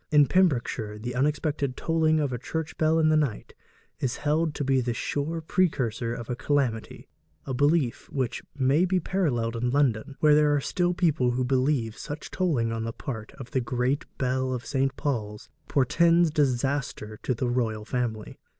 In Pembrokeshire the unexpected tolling of a church bell in the night is held to be the sure precursor of a calamity a belief which may be paralleled in London, where there are still people who believe such tolling on the part of the great bell of St. Paul's portends disaster to the royal family.